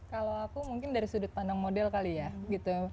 kalau aku mungkin dari sudut pandang model kali ya gitu